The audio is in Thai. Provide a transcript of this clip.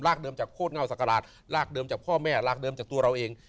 เดิมจากโคตรเงาศักราชรากเดิมจากพ่อแม่รากเดิมจากตัวเราเอง